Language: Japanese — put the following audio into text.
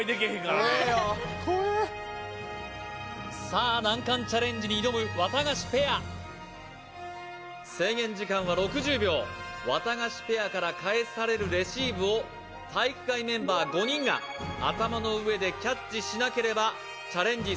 さあ難関チャレンジに挑むワタガシペア制限時間は６０秒ワタガシペアから返されるレシーブを体育会メンバー５人が頭の上でキャッチしなければチャレンジ